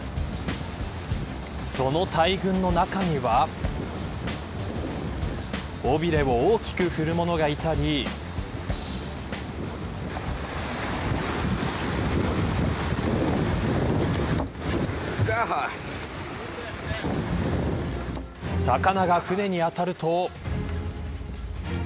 その大群の中には尾びれを大きく振るものがいたり魚が船に当たると。